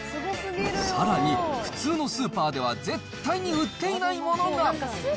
さらに、普通のスーパーでは絶対に売っていないものが。